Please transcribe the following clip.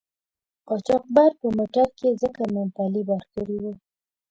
قاچاقبر په موټر کې ځکه مومپلي بار کړي وو.